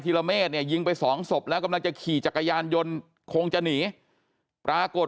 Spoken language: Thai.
ละเมฆเนี่ยยิงไปสองศพแล้วกำลังจะขี่จักรยานยนต์คงจะหนีปรากฏ